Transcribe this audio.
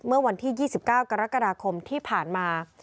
เมื่อวันที่๒๙กรกฎาคมที่ผ่านมา